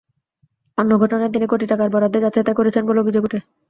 অন্য ঘটনায় তিনি কোটি টাকার বরাদ্দে যাচ্ছেতাই করেছেন বলে অভিযোগ ওঠে।